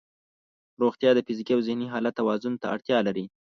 روغتیا د فزیکي او ذهني حالت توازن ته اړتیا لري.